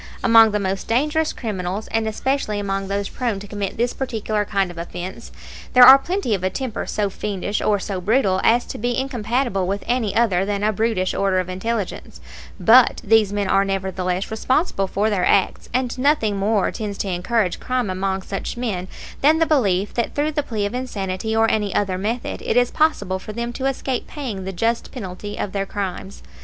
Among the most dangerous criminals, and especially among those prone to commit this particular kind of offense, there are plenty of a temper so fiendish or so brutal as to be incompatible with any other than a brutish order of intelligence; but these men are nevertheless responsible for their acts; and nothing more tends to encourage crime among such men than the belief that through the plea of insanity or any other method it is possible for them to escape paying the just penalty of their crimes.